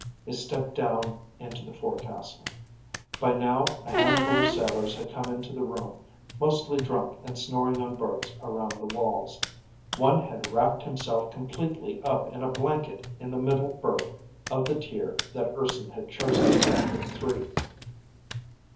They stepped down into the forecastle. By now a handful of sailors had come into the room, mostly drunk and snoring on berths around the walls. One had wrapped himself completely up in a blanket in the middle berth of the tier that Urson had chosen for the three.